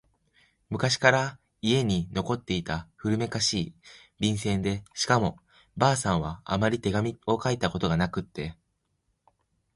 昔から家に残っていた古めかしい、便箋でしかも婆さんはあまり手紙を書いたことがなくって……